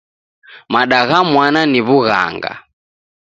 Mada gha mwana ni w'ughanga.